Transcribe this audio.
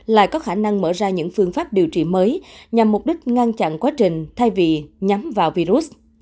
lại có khả năng mở ra những phương pháp điều trị mới nhằm mục đích ngăn chặn quá trình thay vì nhắm vào virus